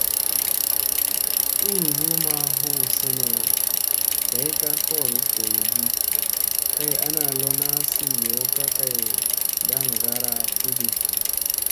Uuzu ma huu sene day ka kolo dew ɗi, kay ana lona sii yoo ka kay ndaŋgara tu di.